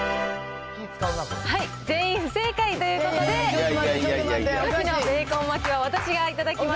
全員不正解ということで、カキのベーコン巻きは私が頂きます。